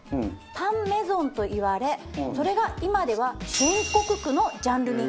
パン・メゾンといわれそれが今では全国区のジャンルに。